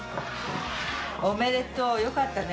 おめでとう、よかったね。